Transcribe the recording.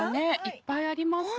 いっぱいありますね。